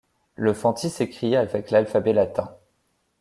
Le fanti s’écrit avec l’alphabet latin.